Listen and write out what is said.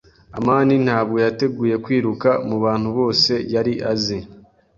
amani ntabwo yateguye kwiruka mubantu bose yari azi.